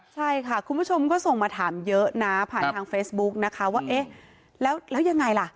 ใช่ค่ะคุณผู้ชมก็ส่งมาถามเยอะนะผ่านทางเฟซบุ๊กนะคะว่าเอ๊ะแล้วยังไงล่ะ